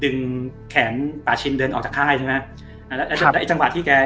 ดึงแขนปาชินเดินออกจากไข้เข้าข้างด้านเนี้ยและแต่ตอนจะได้จังหวะที่แก